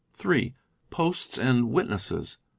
(3) Posts and witnesses.